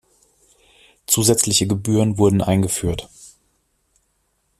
Zusätzliche Gebühren wurden eingeführt.